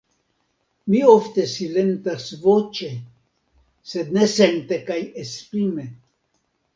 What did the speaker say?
Mi ofte silentas voĉe, sed ne sente kaj esprime.